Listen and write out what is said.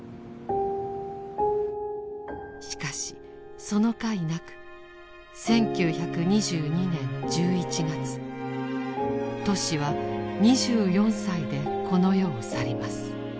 しかしそのかいなく１９２２年１１月トシは２４歳でこの世を去ります。